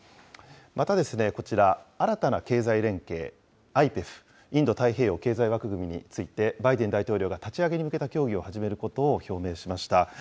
またですね、こちら、新たな経済連携、ＩＰＥＦ・インド太平洋経済枠組みについてバイデン大統領が立ち上げに向けた協議を始めることを表明しました。